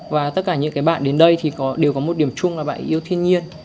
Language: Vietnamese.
và tất cả những cái bạn đến đây thì đều có một điểm chung là bạn yêu thiên nhiên